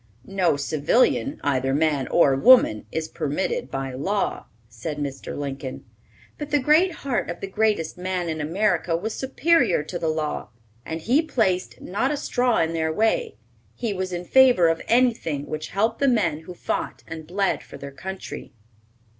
"No civilian, either man or woman, is permitted by law," said Mr. Lincoln. But the great heart of the greatest man in America was superior to the law, and he placed not a straw in their way. He was in favor of anything which helped the men who fought and bled for their country.